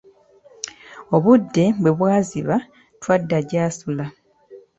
Obudde we bwaziba twadda gy'asula.